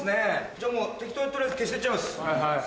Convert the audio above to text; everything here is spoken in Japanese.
じゃあもう適当に取りあえず消してっちゃいます。